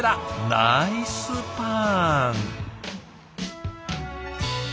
ナイスパン。